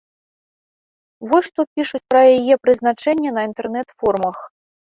Вось што пішуць пра яе прызначэнне на інтэрнэт-форумах.